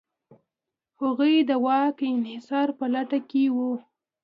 هغوی د واک انحصار په لټه کې و.